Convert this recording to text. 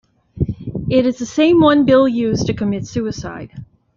It is the same one Bill used to commit suicide.